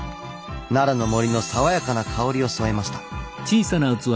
奈良の森の爽やかな香りを添えました。